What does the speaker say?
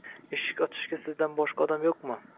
Eshik ochishga sizdan boshqa odam yo‘qmi?